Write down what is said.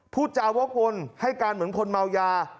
พูดจาวกวนให้การเหมือนคนเมายา